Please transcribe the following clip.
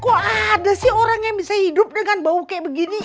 kok ada sih orang yang bisa hidup dengan bau kayak begini